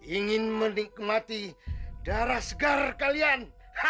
ingin menikmati darah segar kalian